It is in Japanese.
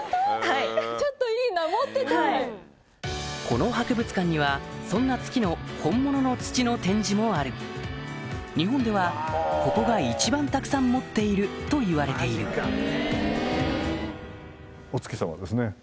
この博物館にはそんな月の本物の土の展示もある日本ではここが一番たくさん持っているといわれているお月さまですね。